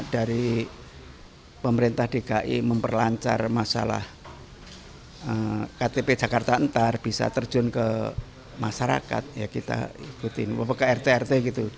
dari pemerintah dki memperlancar masalah ktp jakarta ntar bisa terjun ke masyarakat ya kita ikutin ke rt rt gitu